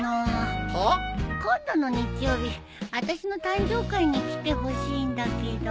今度の日曜日あたしの誕生会に来てほしいんだけど。